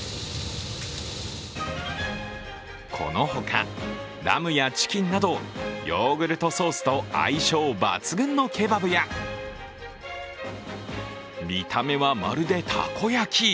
この他、ラムやチキンなどヨーグルトソースと相性抜群のケバブや、見た目はまるでたこ焼き。